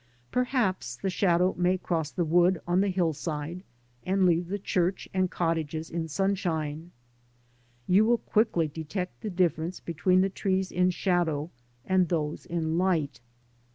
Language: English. Perhaps the shadow may cross the wood on the hillside, and leave the church and cottages in sunshine. You will quickly detect the difference between the trees \n shadow and those in light.